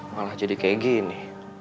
malah jadi kayak gini